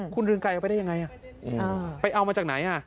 คุณเรืองไกรเอาไปได้ยังไงไปเอามาจากไหน